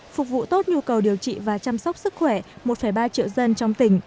phục vụ tốt nhu cầu điều trị và chăm sóc sức khỏe một ba triệu dân trong tỉnh